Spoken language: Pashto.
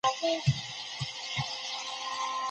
که شعر ولولې نو د شاعر په احساس پوهېږې.